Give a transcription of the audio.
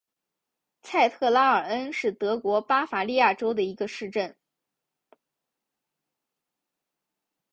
蔡特拉尔恩是德国巴伐利亚州的一个市镇。